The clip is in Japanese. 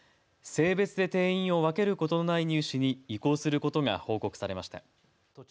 性別で定員を分けることのない入試に移行することが報告されました。